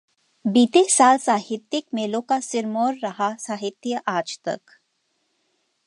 बीते साल साहित्यिक मेलों का सिरमौर रहा 'साहित्य आज तक'